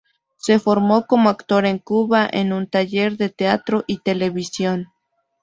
Se formó como actor en Cuba, en un taller de teatro y televisión.